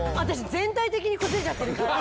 全体的に崩れちゃってるから。